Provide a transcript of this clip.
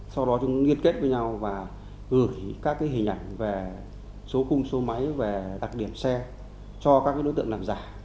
sau đó chúng liên kết với nhau và gửi các hình ảnh về số khung số máy về đặc điểm xe cho các đối tượng làm giả